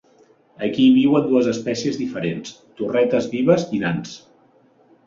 Aquí hi viuen dues espècies diferents, torretes vives i nans.